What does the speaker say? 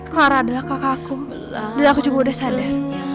clara adalah kakakku dan aku cukup udah sadar